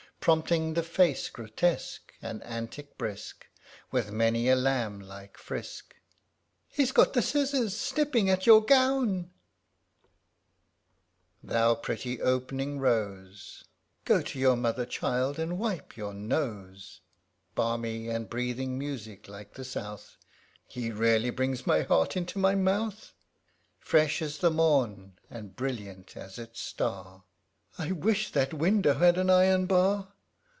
Prompting the face grotesque, and antic brisk. With many a laml>like frisk, (He's got the scissors, snipping at your gown !) 11 Q 226 DOMESTIC POEMS Thou pretty opening rose ! (Go to your mother, child, and wipe your nose I) Balmy and breathing music like the South, (He really brings my heart into my mouth !) Fresh as the mom, and brilliant as its star, ŌĆö (I wish that window had an iron bar